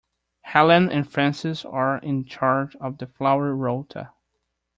Helen and Frances are in charge of the flower rota